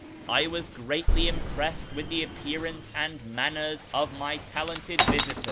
I was ijreatly impressed with tlie appearance and manners of my talented visit